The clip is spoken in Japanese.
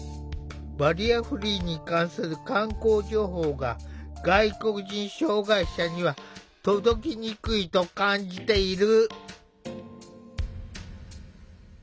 バリアフリーに関する観光情報が外国人障害者には届きにくいと感じている。